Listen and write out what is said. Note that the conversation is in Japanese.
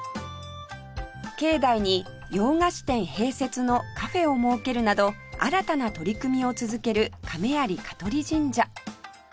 境内に洋菓子店併設のカフェを設けるなど新たな取り組みを続ける亀有香取神社